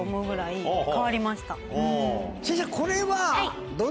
先生これは。